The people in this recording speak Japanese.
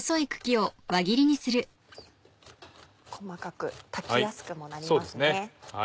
細かく炊きやすくもなりますね。